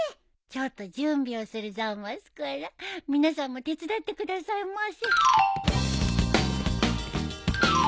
ちょっと準備をするざますから皆さんも手伝ってくださいませ。